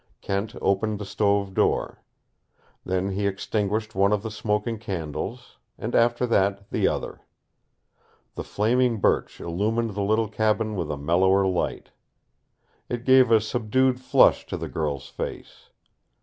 Kent opened the stove door. Then he extinguished one of the smoking candles, and after that, the other. The flaming birch illumined the little cabin with a mellower light. It gave a subdued flush to the girl's face.